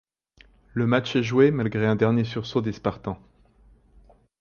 Le match est joué malgré un dernier sursaut des Spartans.